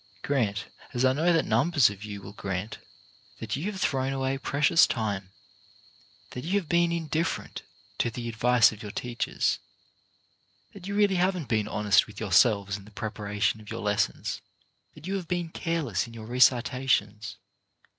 Grant, as I know that numbers of you will grant, that you have thrown away precious time, that you have been indifferent to the advice of your teachers, that you really haven't been honest with yourselves in the preparation of your lessons, that you have been careless in your recitations.